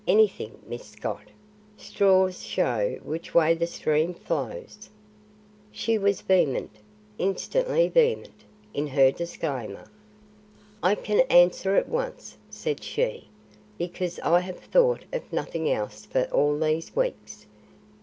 Anything, Miss Scott? Straws show which way the stream flows." She was vehement, instantly vehement, in her disclaimer. "I can answer at once," said she, "because I have thought of nothing else for all these weeks.